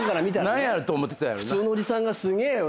何やろ？と思ってたやろな。